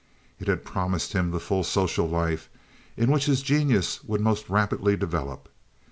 It had promised him the full social life in which his genius would most rapidly develop.